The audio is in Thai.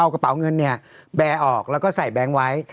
กระเป๋าเงินแบร์ออกแล้วก็ใส่แบงค์ไว้